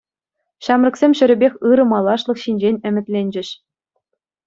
Ҫамрӑксем ҫӗрӗпех ырӑ малашлӑх ҫинчен ӗмӗтленчӗҫ.